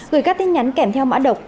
gửi các tin nhắn kèm theo mã độc